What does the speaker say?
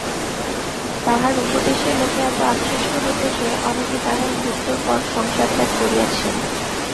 তাঁহার উপদেশে লোকে এত আকৃষ্ট হইত যে, অনেকে তাঁহার মৃত্যুর পর সংসারত্যাগ করিয়াছেন।